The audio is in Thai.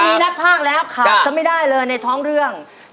มีนักภาคแล้วขาดซะไม่ได้เลยในท้องเรื่อง